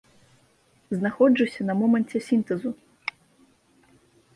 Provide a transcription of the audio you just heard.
Знаходжуся на моманце сінтэзу.